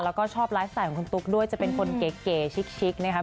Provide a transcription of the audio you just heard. แล้วก็ชอบไลฟ์สไตล์ของคุณตุ๊กด้วยจะเป็นคนเก๋ชิกนะครับ